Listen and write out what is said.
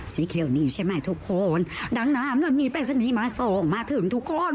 สีเขียวนี่ใช่ไหมทุกคนดังน้ำมันมีปรายศนีย์มาส่งมาถึงทุกคน